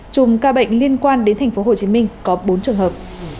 chùm ca bệnh liên quan đến thành phố hồ chí minh có bốn trường hợp